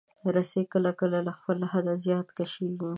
رسۍ کله کله له خپل حده زیات کشېږي.